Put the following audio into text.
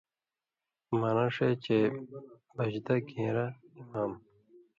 معنہ ݜے چے بھژدہ، گھین٘رہ (اِمام)